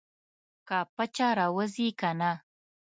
که پچه راوځي کنه.